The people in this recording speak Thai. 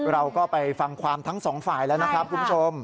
เราก็ไปฟังความทั้งสองฝ่ายแล้วนะครับคุณผู้ชม